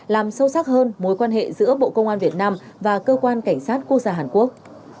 làm sâu sắc hơn mối quan hệ giữa bộ công an việt nam và cơ quan cảnh sát quốc gia hàn quốc